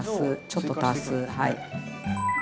ちょっと足すはい。